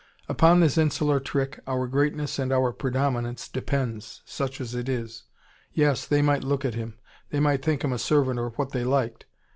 Upon this insular trick our greatness and our predominance depends such as it is. Yes, they might look at him. They might think him a servant or what they liked.